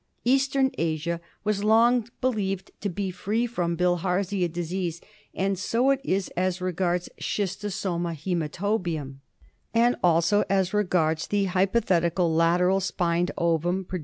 Eastern Asia was long believed to be free from Bilharzia disease, and so it is as regards Schistosomum hamatobium, and also as regards the hypothetical late ral s pined ovum pro (Frtm a photo by Mr. E. E. Henderson.)